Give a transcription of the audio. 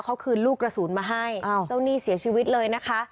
เขาคืนลูกกระสุนมาให้เจ้าหนี้เสียชีวิตเลยนะคะ